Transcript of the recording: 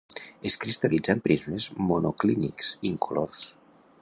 Es cristal·litza en prismes monoclínics incolors.